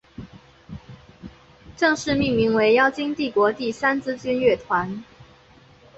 正式名称为妖精帝国第三军乐队。